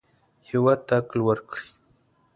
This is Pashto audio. هېواد ته عقل ورکړئ